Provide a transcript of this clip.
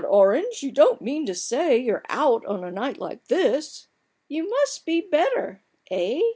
Orange, you don't mean to say you're out on a night like this! You must be much better — eh